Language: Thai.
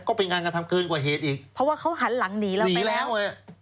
ก็เป็นการกระทำเกินกว่าเหตุอีกเพราะว่าเขาหันหลังหนีแล้วไปแล้ว